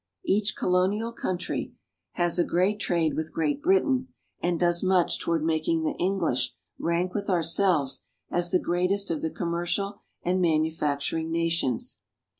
Each colonial country has a 84 ENGLAND. great trade with Great Britain, and does much toward making the English rank with ourselves as the greatest of the commercial and manufacturing nations.